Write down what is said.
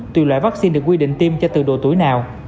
từ loại vaccine được quy định tiêm cho từ độ tuổi nào